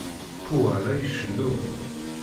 Pua la icennu.